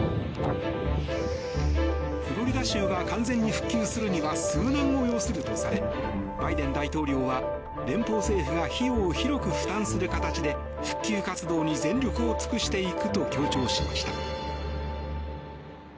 フロリダ州が完全に復旧するには数年を要するとされバイデン大統領は連邦政府が費用を広く負担する形で復旧活動に全力を尽くしていくと強調しました。